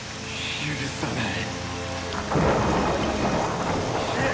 許さない！！